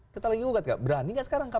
kita lagi ugat nggak berani nggak sekarang kpu